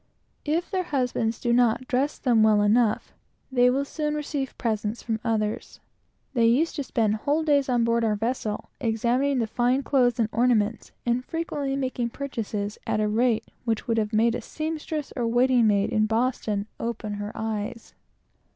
If their husbands do not dress them well enough, they will soon receive presents from others. They used to spend whole days on board our vessels, examining the fine clothes and ornaments, and frequently made purchases at a rate which would have made a seamstress or waiting maid in Boston open her eyes.